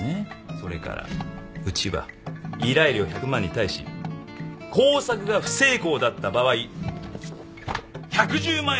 それからうちは依頼料１００万に対し工作が不成功だった場合１１０万円